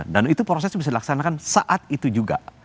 dan itu proses bisa dilaksanakan saat itu juga